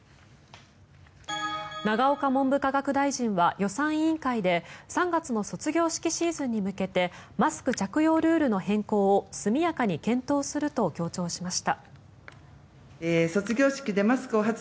永岡文部科学大臣は予算委員会で３月の卒業式シーズンに向けてマスク着用ルールの変更を速やかに検討すると強調しました。